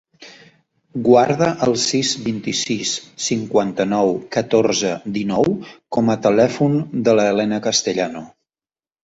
Guarda el sis, vint-i-sis, cinquanta-nou, catorze, dinou com a telèfon de l'Elena Castellano.